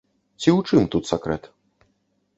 Ці ў чым тут сакрэт?